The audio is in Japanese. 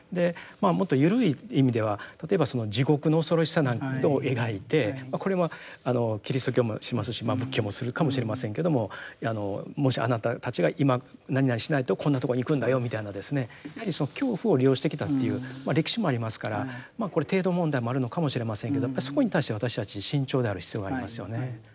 もっと緩い意味では例えば地獄の恐ろしさなんていうことを描いてこれはキリスト教もしますし仏教もするかもしれませんけどももしあなたたちが今なになにしないとこんなとこに行くんだよみたいなですねやはりその恐怖を利用してきたという歴史もありますからこれ程度問題もあるのかもしれませんけどやっぱりそこに対して私たち慎重である必要がありますよね。